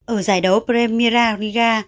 ở giải đấu premira riga